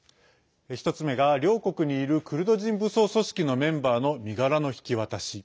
１つ目が両国にいるクルド人武装組織のメンバーの身柄の引き渡し。